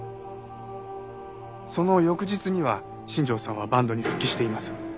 その翌日には新庄さんはバンドに復帰しています。